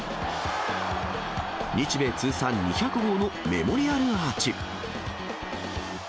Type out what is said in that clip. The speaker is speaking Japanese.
日米通算２００号のメモリアルアーチ。